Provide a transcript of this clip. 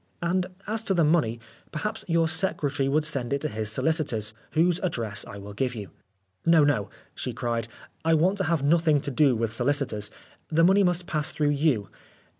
And as to the money, perhaps your secretary would send it to his solicitors, whose address I will give you." " No, no," she cried. " I want to have nothing to do with solicitors. The money must pass through you.